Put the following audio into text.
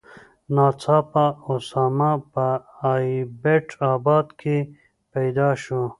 ناڅاپه اسامه په ایبټ آباد کې پیدا شو.